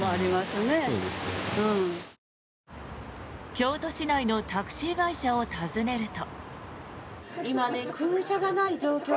京都市内のタクシー会社を訪ねると。